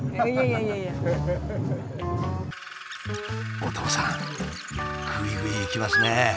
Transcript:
お父さんぐいぐいいきますね。